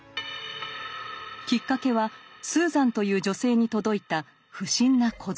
きっかけはスーザンという女性に届いた不審な小包。